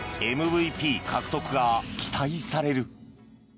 ＭＶＰ獲得が期待される。